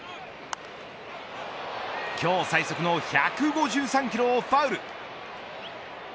今日最速の１５３キロをファウル。